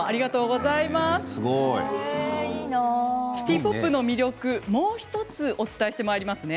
シティ・ポップの魅力をもう１つお伝えしてまいりますね。